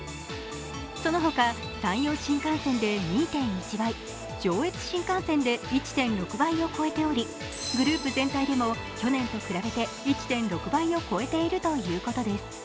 その他、山陽新幹線で２．１倍、上越新幹線で１．６倍を超えており、グループ全体でも去年と比べて１．６倍を超えているということです